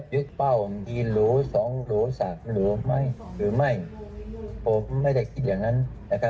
หรือเปล่าหรือสองหรือสามหรือไม่หรือไม่ผมไม่ได้คิดอย่างนั้นนะครับ